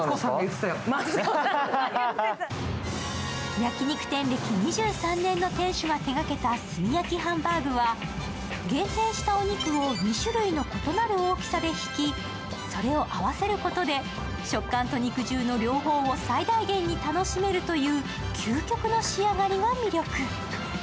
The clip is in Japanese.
焼肉店歴２３年の店主が手がけた炭焼きハンバーグは厳選したお肉を２種類の異なる大きさでひき、それを合わせることで食感と肉汁の両方を最大限に楽しめるという究極の仕上がりが魅力。